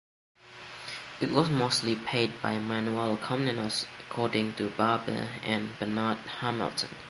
It was most probably paid by ManuelI Komnenos, according to Barber and Bernard Hamilton.